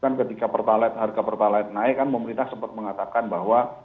kan ketika pertalite harga pertalite naik kan pemerintah sempat mengatakan bahwa